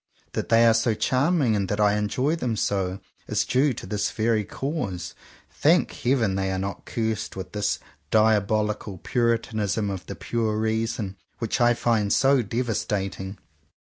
That they are so charming and that I enjoy them so, is due to this very cause. Thank Heaven they are not cursed with this diabolical Puritanism of the pure reason, which I find so devastating!